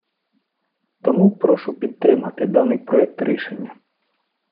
Тому прошу підтримати даний проект рішення.